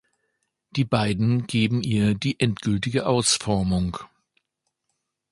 Die beiden geben ihr die endgültige Ausformung.